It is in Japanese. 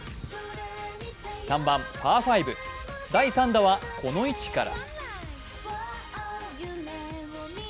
３番パー５、第３打はこの位置から。